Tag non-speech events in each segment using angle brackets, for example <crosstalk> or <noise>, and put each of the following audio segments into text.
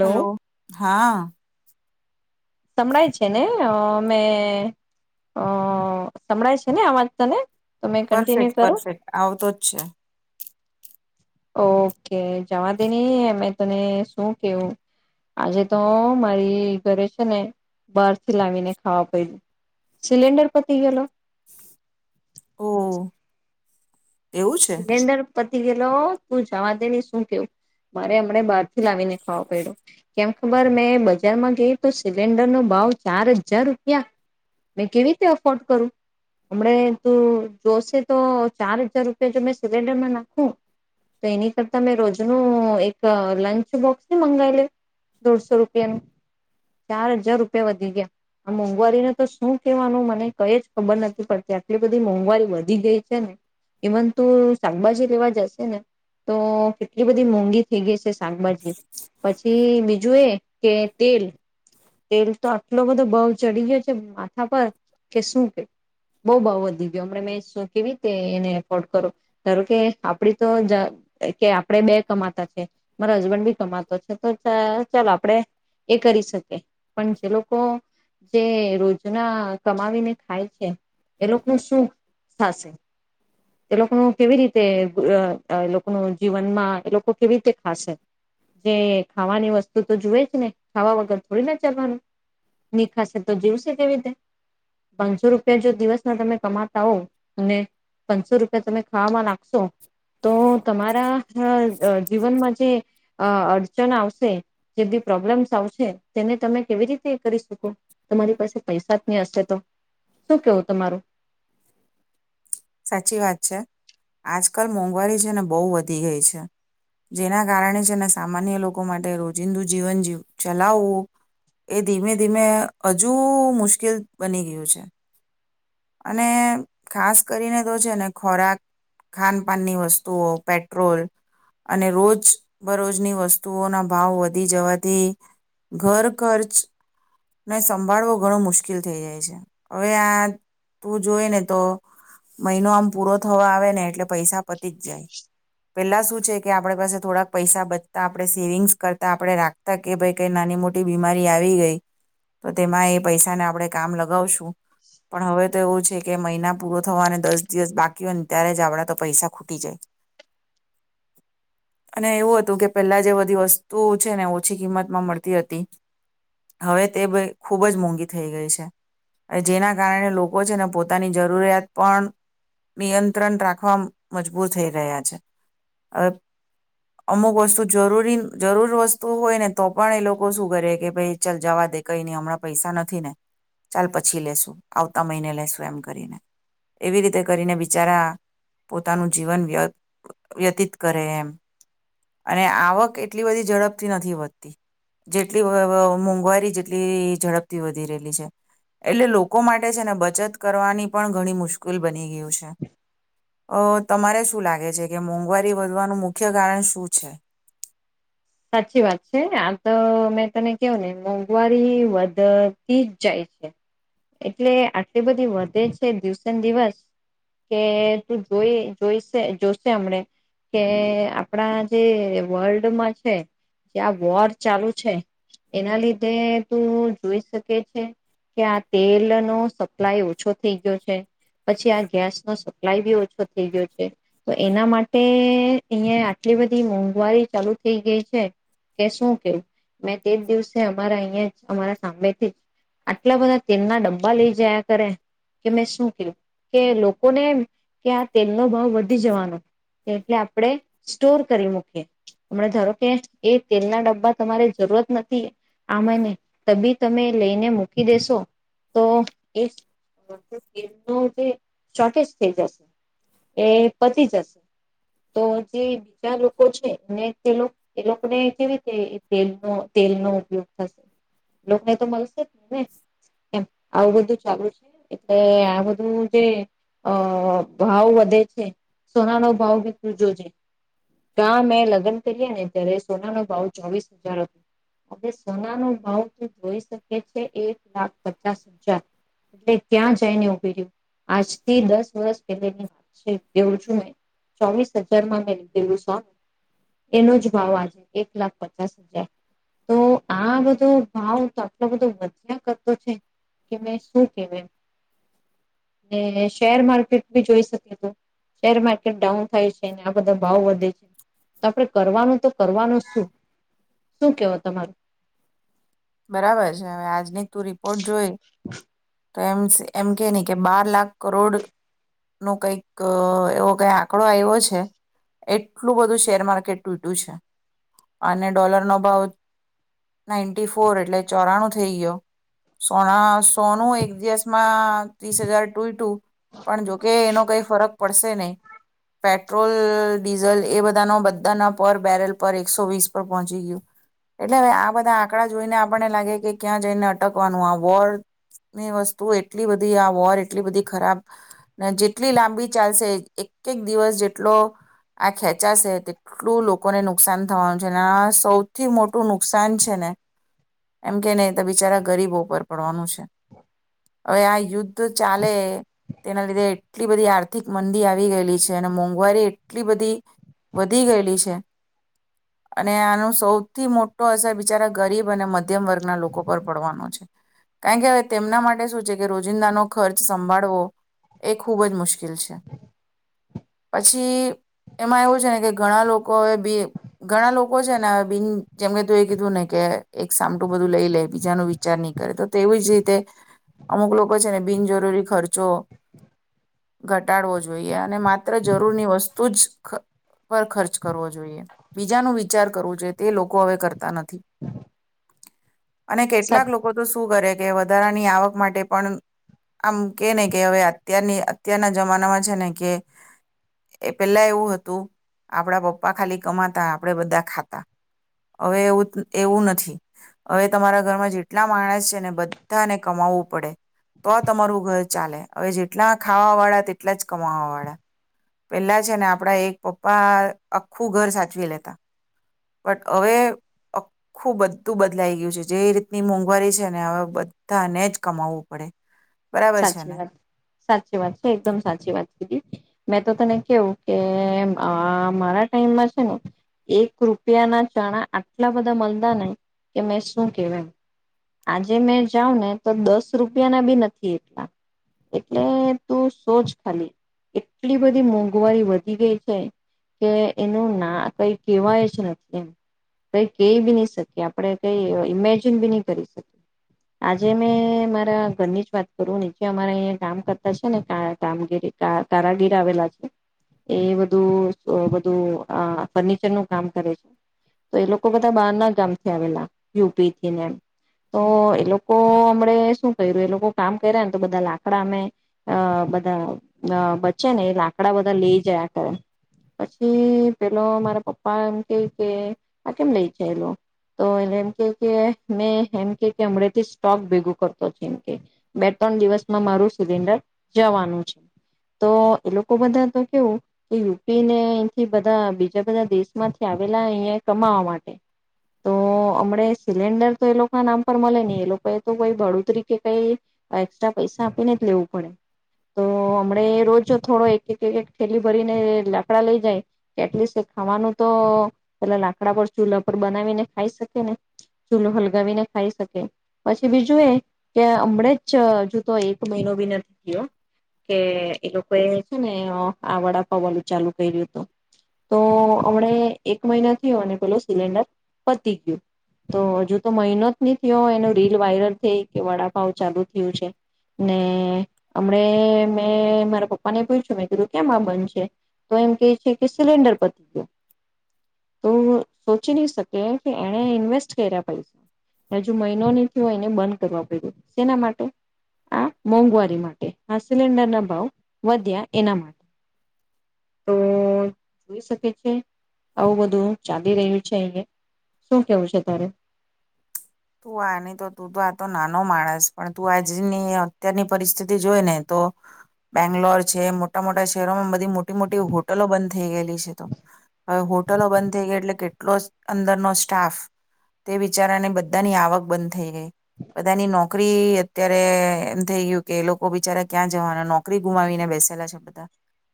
Hello હા. સંળાય છે ને મેમે અ સંળાય છે ને આ વાત તને તો મેં કન્ટિન્યુ પરફેક્ટ કરું પરફેક્ટ આવતો જ છે. ઓકે જવા દે ની મેં તને શું કેવું આજે તો મારી ઘરે છે ને બહાર થી લાવીને ખાવા પડ્યું સિલિન્ડર પતી ગયેલો. ઓ <unintelligible> એવું છે સિલિન્ડર પ ગેલો તું જવા દેને શું કેવું મારે હમને બહારથી લાવીને ખો પડ્યો કેમ ખબર મેં બજારમાં ગઈ તો સિલિન્ડર નો ભાવ ચાર હજાર રૂપિયા મેં કેવી રીતે અફોર્ડ કરું હમ તું જોશે તો ચાર હજાર રૂ જો મેં સિલન્ડરમાં નાખું તો એની કરતા મેં રોજનું એક લંચ બોક્સ ની મંગાઈ લવ દોઢસો રૂપિયાનું ચાર હજાર રૂપિયા વધી ગયા આ મોંઘવારીને તો શું કવાનું મને કઈ જ ખબર નથી પડતી આટલી બધી મોંઘવારી વધી ગઈ છે ને ઇવન તું શાકભાજી લેવા જશે ને તો કેટલી બધી મોંઘી થઈ ગઈ છે શા શાકભાજી પછી બીજું એ કે તેલ તેલ તો આટલો બધો ભાવ ચડી ગયો છે માથા પર કે શું કે બઉ ભાવ વધી ગયો. હમણે મેં શું કેવી રીતે એને એફોર્ડ કરો ધારો કે આપડી તો કે જ આપણેે બે કમાતા છે મારો હસબન્ડ બી કમાતો છે તો ચાલ આપડે એ કરી શકીએ પણ જે લોકો જે રોજના કમાવીને ખાય છે એ લોકોનું શું થશે એ લોકોનું કેવી રીતે અ એ લોકોનું જીવનમાં એ લોકો કેવી રીતે ખાશે જે ખાવાની વસ્તુ તો જોુએ જ ને ખાવા વગર થોડી ચાલવાનું નિખાશે તો જીવશે કેવી રીતે પાંચસો રૂપિયા જો દિવસના તમે કમાતા હો અને પાંચસો રૂપિયા તમે ખાવામાં નાખશો તો તમારા અ જીવનમાં જે અડચણ આવશે જે બધી પ્રોબ્લેમ્સ આવશે તેને તમે કેવી રીતે કરી શકો તમારી પાસે પૈસા જ નહી હશે તો શું કેવું તમારું. સાચી વાત છે આજકાલ મોંઘવારી છે ને બહુ વધી ગઈ છે જેના કારણે છે ને સામાન્ય લોકો માટે રોજિંદુ જીવન જીવ ચલાવવું એ ધીમે ધીમે હજુ મુશ્કેલ બની ગયું છે અને ખાસ કરીને તો છે ને ખોરાક ખાનપાનની વસ્તુઓ પેટ્રોલ અને રોજ બરોજની વસ્તુઓના ભાવ વધી જવાથી ઘર ખર્ચને સંભાળવો ઘણો મુશ્કેલ થઈ જાય છે હવે આ તું જોઈ ને તો મહિનો આમ પૂરો થવા આવે ને એટલે પૈસા પતી જ જાય પેલા શું છે કે આપણે પાસે થોડાક પૈસા બચતા આપણે સેવિંગ્સ કરતા આપડણે રાખતા કે ભાઈ કઈ નાની મોટી બીમારી આવી ગઈ તો તેમાં એ પૈસાને આપડણે કામ લગાવશું. પણ હવે એવું છે કે મહિના પૂરો થવા અને દસ દિવસ બાકી હોયને ત્યારે જ આવડા તો પૈસા ખૂટી જાય અને એવું હતું કે પહેલા જે બધી વસ્તુઓ છે ને ઓછી કિંમતમાં મળતી હતી હવે તે ખૂબ જ મોંઘી થઈ ગઈ છે જેના કારણે લોકો છે ને પોતાની જ જરૂરિયાત પણ નિયંત્રણ રાખવા મજબૂર થઈ રહ્યા છે હવે અમુક વસ્તુ જરૂરી જરૂર વસ્તુ હોય ને તો પણ એ લોકો શું કરે કે ભાઈ ચાલ જવા દે કઈ નહી હમણાં પૈસા નથી ને ચાલ પછી લેશું આવતા મહિને લેશું એમ કરીને. એવી રીતે કરીને બિચારા પોતાનું જીવન વ્ય વ્યતીત કરે એમ અને આવક એટલી બધી ઝડપથી નથી વધતી જેટલી મોંઘવારી જેટલી ઝડપથી વધી રહેલી છે એટલે લોકો માટે છે ને બચત કરવાની પણ ઘણી મુશ્કેલ બની ગયું છે અ તમારે શું લાગે છે કે મોંઘવારી વધવાનું મુખ્ય કારણ શું છે. સાચી વાત છે આ તો મેં તને કહું ને મોંઘવારી વધતી જ જાય છે એટલે આટલી બધી વધે છે દિવસે દિવસ કે તું જોઈ જોઈશે જોશે હમને કે આપણા જે વર્લ્ડમાં જે આ વોર ચાલુ છે એના લીધે તું જોઈ શકે છે કે આ તેલ નો સપ્લાય ઓછો થઈ ગયો છે પછી આ ગેસ નો સપ્લાય બી ઓછો થઈ ગયો છે તો એના માટે અહીયા આટલી બધી મોંઘવારી ચાલુ થઈ ગઈ છે કે શું કેવું મેં તે જ દિવસે અમાર અહીયાં જ અમારા સાંમેેથી જ આટલા બધા તેલના ડબ્બા લઈ જયા કરે કે મેં શું કેયું કે લોકોને એમ કે આ તેલનો ભાવ વધી જવાનો એટલે આપણે સ્ટોર કરી મૂકીએ હમણા ધારો કે એ તેલના ડબ્બા તમારે જરૂરત નથી આ મહિને તબી તમે લઈને મૂકી દેેશો તો એ તેલનો જે શોટેજ થઈ જશે એ પતી જશે તો જે બીજા લોકો છે એને એ લોક લોકોને કેવી રીતે તેલનો તેલનો ઉપયોગ થશે એ લોકોને તો મળશે જને નેમ આવું બધું ચાલુ છે એટલે આ બધું જે અ ભાવ વધે છે સોના નો ભાવી બી તુ જોજે છે. કાં મે લગ્ન ત્યારે સોના નો ભાવ ચોવીસ હજાર હતો આપ સોના નો ભાવ જોઈ શકે છે એક લાખ પચાસ હજાર એટલે ક્યાં જઈને ઉભી રિયુ. આજથી દસ વર્ષ પહેની વાત છે તેવું છું મેં ચોવીસ હજારમાં મેં લીધેલું સોનું એનો જ ભાવ આજે એક લાખ પચાસ હજાર તો આ બધો ભાવ તો આટલો બધો વધ્યા કરતો છે કે મેં શું કે ને શેર માર્કેટ બી જોઈ શકે શેર માર્કેટ ડાઉન થાય છેને આ બધા ભાવ વધે છે આપણે કરવાનું તો કરવાનું શું શું કેવો તમારું. બરાબર છે હવે આજની તું રિપોર્ટ જોય તો એમ એમ કે નહી કે બાર લાખ કરોડ નો કંઈક એવો કઈ આંકડો આવ્યો છે એટલું બધું શેર માર્કેટ તૂટ્યું છે અને ડોલરનો ભાવ નાઈન્ટી ફોર એટલે ચોરાણું થઈ ગયો. સોના સોન હુ એક દિવસમાં ત્રીસ હજાર તુંઈટુ પણ જોકે એનો કઈ ફરક પડશે નહી પેટ્રોલ ડીઝલ એ બધાનો બધાના પર બેરલ પર એકસો વીસ પર પહોંચી ગયું એટલે હવે આ બધા આંકડા જોઈને આપણને લાગે કે ક્યાં જઈને અટકવાનું આ વોર વસ્તુ એટલી બધી આ વોર એટલી બધી ખરાબ ને જેટલી લાંબી ચાલશે એક એક દિવસ જેટલો આ ખેંચાશે તેટલું લોકોને નુકસાન થવાનું છે અને આ સૌથી મોટું નુકસાન છે ને એમ કે નહી તો બિચારા ગરીબો પર પડવાનું છે. હવે આ યુદ્ધ ચાલે તેના લીધે એટલી બધી આર્થિક મંદી આવી ગયેલી છે અને મોંઘવારી એટલી બધી વધી ગયેલી છે અને આનો સૌથી મોટો અસર બિચારા ગરીબ અને મધ્યમ વર્ગના લોકો પર પડવાનો છે કારણ કે હવે તેમના માટે શું છે કે રોજિંદાનો ખર્ચ સંભાળવો એ ખૂબ જ મુશ્કેલ છે. પછી એમાં એવું છે ને કે ઘણા લોકો એ બી ઘણા લોકો છે ને બિન જેમ કે તું એ કીધું ને કે એક સામટું બધું લઈ લે બીજા ન વિચાર નહીં કરે તો તેવી જ રીતે અમુક લોકો છે ને બિનજરૂરી ખર્ચો ઘટાડવો જોઈએ અને માત્ર જરૂરની વસ્તુ જ પર ખર્ચ કરવો જોઈએ બીજાનું વિચાર કરવો જોઈએ તે લોકો હવે કરતા નથી. અને સા કેટલાક લોકો તો શું કરે કે વધ વધારાની આવક માટે પણ આમ કે ને કે હવે અત્યારની અત્યારના જમાનામાં છે ને કે પેલા એવું હતું આપડા પપ્પા ખાલી કમાતા આપણે બધા ખાતા હવે એવું એવું નથી હવે તમારા ઘરમાં જેટલા માણસ છે ને બધા બધાને કમાવું પડે તો તમારું ઘર ચાલે. હવે જેટલા ખાવાવાળા તેટલા જ કમાવાવાળા. પેલા છે ને આપડા એક પપ્પા આખું ઘર સાચવી લેતા પણ હવે આખું બધું બદલાઈ ગયું છે જે રીતની મોંઘવારી છે ને હવે બધાને જ કમાવવું પડે. બરાબર છે સાચી ને વાત. સાચી વાત છે, એકદમ સાચી વાત છે. મેં તો તને કેવું કે અહ મારા ટાઈમમાં છે ને એક રૂપિયા ના ચણા આટલા બધા મલતા ને કે મેં શું કેવ એમ. આજે મેં જાઉ ને તો દસ રૂપિયા ના ભી નથી એટલા. એટલે તું સોજ ખાલી એટલી બધી મોંઘવારી વધી ગઈ છે કે એનું ના કોઈ કેવાય જ નથી એમ. કઈ કેઈ ભી નહી શકીએ આપડે કઈ ઈમેજિન ભી નહી કરી શ- આજે મેં મારા ઘરની જ વાત કરું નીચે અમારા અહંયા કામ કરતા છે ને કામગીરી કારાગીર આવેલા છે એ બધું બધું અ ફર્નિચરનું કામ કરે છે તો એ લોકો બધા બાર ના ગામથી આવેલા યુ પી થીને એમ તો એ લોકો હમ શું કર્યું એ લોકો કામ કર્યા ને તો બધા લાકડા અમે બધા બચે ને એ લાકડા બધા લઈ જાય કરે પછી પેલો મારા પપ્પા એમ કે કે આ કેમ લઈ જાયલો તો એલે એમ કે કે મે એમ તે તેમડેથી સ્ટોક ભેગો કરતો છે એમ કે. બે ત્રણ દિવસમાં મારું સિલિન્ડર જવાનું છે. તો એ લોકો બધા તો કેવું કે યુ પી ને અહીથી બધા બીજા બધા દેશમાંથી આવેલા અહીયા કમાવા માટે. તો હમણે સિલિન્ડર તો એ લોકો નામ પર મલે નહી એ લોકો તો કોઈ બડોતરી કે કઈ એસ્ટ્રા પૈસા આપીને જ લેવું પડે. તો હમડે રોજ થોડો એક એક એક એક થેલી ભરીને લાકડા લઈ જાય કે એટલીશ એ ખાવાનું તો પેલા લાકડા પર ચૂલા પર બનાવીને ખાઈ શકે ને. ચૂલો હલગાવીને ખાઈ શકે. પછી બીજું એ કે હમણે જ હજુ તો એક મહિનો ભી નથી થયો કે એ લોકોએ છે ને આ વડાપાવ વલું ચાલુ કર્યું તું. તો હમણે એક મહિનો થયો અને પેલો સિલિન્ડર પતી ગયું. તો હજુ તો મહિનો ની થયો એનું રીલ વાયરલ થઈ કે વડા ભાવ ચાલુ થયું છે ને હમણે મેં મારા પપ્પાને પૂછછું મેં કીધું કેમ આ બંધ છે. તો એમ કે છે કે સિલિન્ડર પતી ગયો. તો સોચી નહી શકે કે એને ઇન્વેસ્ટ કર્યા પૈસ એ હજુ મહિનોની એને બંધ કરવા પડ્યું શેના માટે આ મોંઘવારી માટે આ સિલિન્ડર ના ભાવ વધ્યા એના માટ તો જોઈ શકે છે આવું બધું ચાલી રહ્યું છે અહીંયે શું કેવું છે તારે? તું આની તો તું તો આ તો નાનો માણસ પણ તું આજની અત્યારની પરિસ્થિતિ જોઈ ને તો બેંગ્લોર છે મોટા મોટા શહેરોમાં બધી મોટી મોટી હોટલો બંધ થઈ ગયેલી છે તો. હવે હોટલો બંધ થઈ ગઈ એટલે કેટલો અંદરનો સ્ટાફ તે વિચારાને બધ ધાની આવક બંધ થઈ ગઈ. બધાની નોકરી અત્યારે એમ થઈ ગયું કે એ લોકો બિચારા ક્યાં જવાના નોકરી ગુમાવીને બેસેલા છે બધા.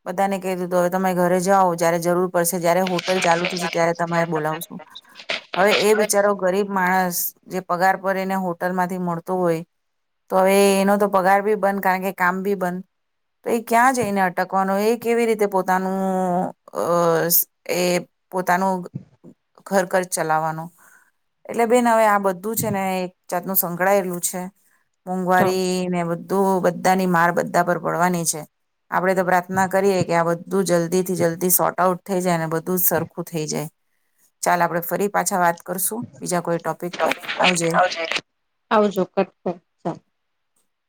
બધાને કહી દીું હ તમે ઘરે જાઓ જ્યારે જરૂર પડસે જ્યારે હોટલ ચાલુ થશે ત્યારે તમારે બોલાવશું. હવે એ અચ બીચારો ગરીબ માણસ જે પગાર પર એને હોટલ માંથી મળતો હોય તો હવે એનો તો પગાર ભી બંધ કારણ કે કામ ભી બંધ. તો એ ક્યાં જઈને અટકવાનો એ કેવી રીતે પોતાનું અહ એ પોતાનું ઘર ખચ ચલાવવાનો. એટલે બેન હવે આ બ જાતનું સંકળાયેલું છે. મોંઘવારી ને બધ તો બધાની માર બધા પર પડવાની છે. આપડે તો પ્રાર્થના કરીએ કે આ બધું જલ્દી થી જલ્દી સોર્ટ આઉટ થઈ જાય ને બ ધું સરખું થઈ જાય. ચાલ આપડે ફરી પાછા વાત કરશું બીજા કોઈ ટોપિક આવજે. આવજો કટ કર ચાલ